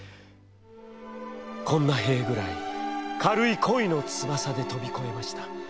「こんな塀ぐらい軽い恋の翼で飛びこえました。